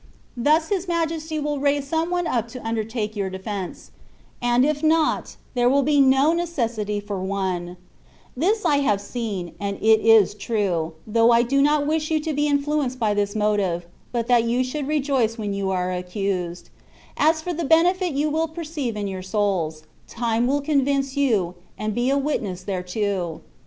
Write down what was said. Thus His majesty will raise some one up to undertake your defence ; and if not, there wiU be no necessity for one, This I have seen, and it is true (though I do not wish you to be influenced by this motive, but that you should rejoice when you are accused) ; as for the benefit you will perceive in your souls, time will convince you, and be a witness thereto.